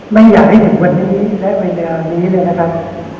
ไม่อยากให้ถึงวันนี้และเวลานี้เลยนะครับ